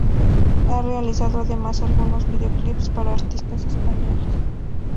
Ha realizado además algunos videoclips para artistas españoles.